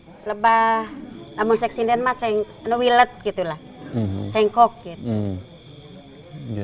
kalau di sini mah itu wilet gitu lah cengkok gitu